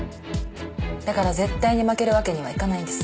だから絶対に負けるわけにはいかないんです。